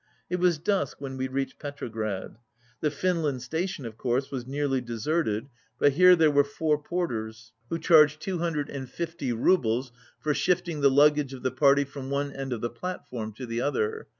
It was dusk when we reached Petrograd. The Finland Station, of course, was nearly deserted, 7 but here there were four porters, who charged two hundred and fifty roubles for shifting the luggage of the party from one end of the plat form to the other.